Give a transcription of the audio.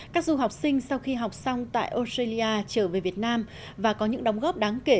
các du học sinh sau khi học xong tại australia trở về việt nam và có những đóng góp đáng kể